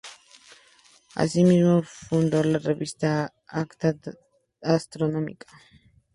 Así mismo, fundó la revista "Acta Astronómica".